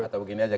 atau begini aja